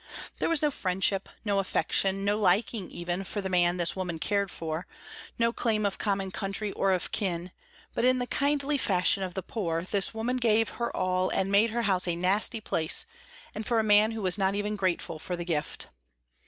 There was no friendship, no affection, no liking even for the man this woman cared for, no claim of common country or of kin, but in the kindly fashion of the poor this woman gave her all and made her house a nasty place, and for a man who was not even grateful for the gift.